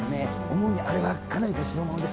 思うにあれはかなりの代物ですな。